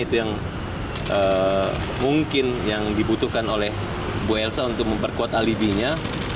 itu yang dibutuhkan oleh ibu elsa untuk memperkuat alibinya